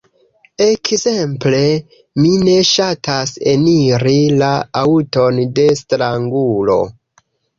Ekzemple: mi ne ŝatas eniri la aŭton de strangulo.